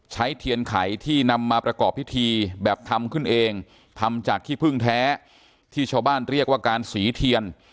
เทียนไข่ที่นำมาประกอบพิธีแบบทำขึ้นเองทำจากขี้พึ่งแท้ที่ชาวบ้านเรียกว่าการสีเทียน